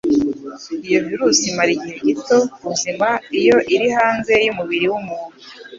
Iyo virusi imara igihe gito ifite ubuzima iyo iri hanze y'umubiri w'umuntu